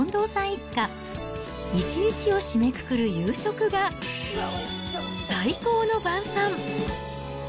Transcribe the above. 一日を締めくくる夕食が、最高の晩さん。